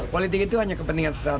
politik itu hanya kepentingan